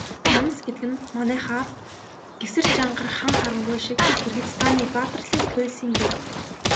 Манас гэдэг нь манайхаар Гэсэр, Жангар, Хан Харангуй шиг Киргизстаны баатарлаг туульсын дүр.